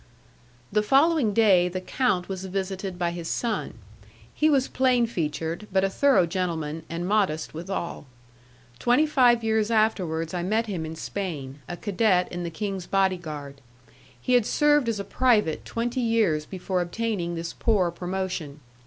The following day the count was visited by his son; he was plain featured, but a thorough gentleman, and modest withal. Twenty five years afterwards I met him in Spain, a cadet in the king's body guard. He had served as a private twenty years before obtaining this poor promotion.